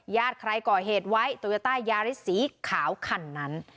ญาติใครก่อเหตุไว้ตรงในใต้ยาริสีขาวขันนั้น